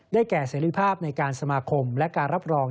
แก่เสรีภาพในการสมาคมและการรับรอง